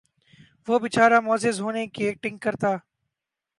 وہ بیچارہ معزز ہونے کی ایکٹنگ کرتا